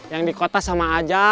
yang di kota sama aja